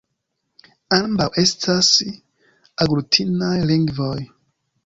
Ambaŭ estas aglutinaj lingvoj.